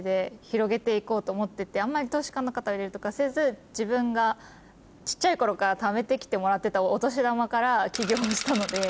あんまり投資家の方入れるとかせず自分が小っちゃい頃からためて来てもらってたお年玉から起業したので。